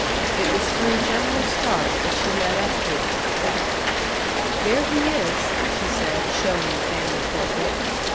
It was through General Stark that she led up to it. "There he is," she said, showing the family portrait.